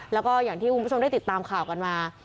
แล้วก็อย่างที่คุณผู้ชมได้ติดตามข่าวกันมา